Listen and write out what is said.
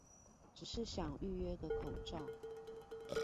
只是想預約個口罩